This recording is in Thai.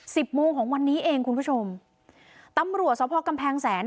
สิบโมงของวันนี้เองคุณผู้ชมตำรวจสภกำแพงแสน